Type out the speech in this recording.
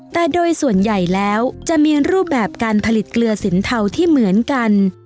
แต่โดยส่วนใหญ่แล้วจะมีรูปแบบการผลิตเกลือสินเทาที่เหมือนกัน